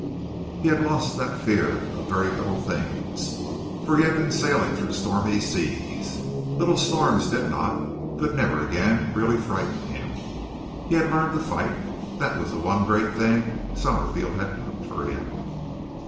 He had lost that fear of very little things, for he had been sailing through stormy seas. Little storms did not could never again really frighten him. He had learned to fight. That was the one great thing Summerfield had done for him.